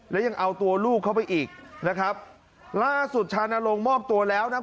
แล้วยังเอาตัวลูกเข้าไปอีกนะครับล่าสุดชานลงมอบตัวแล้วนะครับ